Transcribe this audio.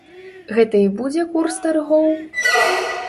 Гэта і будзе курс таргоў?